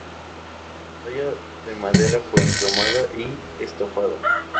Talla de madera policromada y estofada.